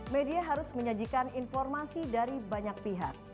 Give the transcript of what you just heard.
media harus menyajikan informasi dari banyak pihak